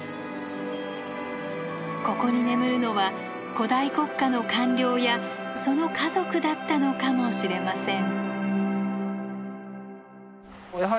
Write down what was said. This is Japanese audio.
ここに眠るのは古代国家の官僚やその家族だったのかもしれません。